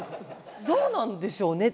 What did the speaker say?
どうなんでしょうね。